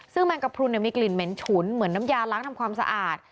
ซึ่งแมงกระพรุนมีกลิ่นเหม็นฉุนเหมือนน้ำยาล้างทำความสะอาด